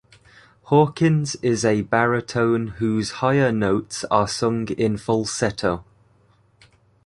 Hawkins is a baritone whose higher notes are sung in falsetto.